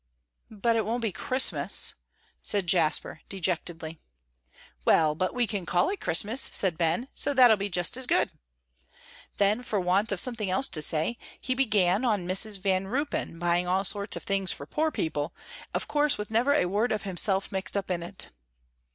"But it won't be Christmas," said Jasper, dejectedly. "Well, but we can call it Christmas," said Ben, "so that'll be just as good." Then, for want of something else to say, he began on Mrs. Van Ruypen buying all sorts of things for poor people, of course with never a word of himself mixed up in it.